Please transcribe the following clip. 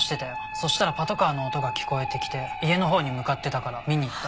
そしたらパトカーの音が聞こえてきて家のほうに向かってたから見に行った。